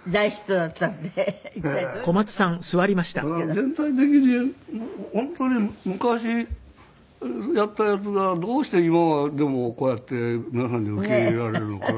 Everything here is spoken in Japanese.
全体的に本当に昔やったやつがどうして今でもこうやって皆さんに受け入れられるのかが。